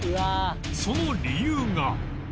その理由が